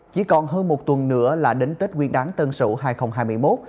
chỉ còn hơn một tuần nữa là đến tết nguyên đáng tân sửu hai nghìn hai mươi một